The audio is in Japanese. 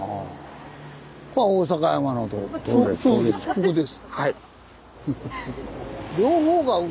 ここです。